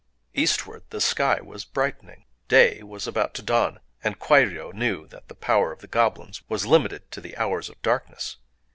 Eastward the sky was brightening; day was about to dawn; and Kwairyō knew that the power of the goblins was limited to the hours of darkness.